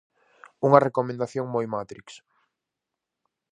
Unha recomendación moi matrix.